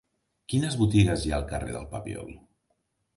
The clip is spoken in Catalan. Quines botigues hi ha al carrer del Papiol?